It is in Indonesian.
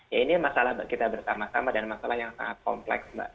ya ini masalah kita bersama sama dan masalah yang sangat kompleks mbak